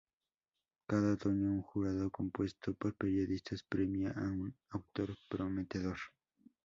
Cada otoño, un jurado compuesto por periodistas premia a un autor prometedor.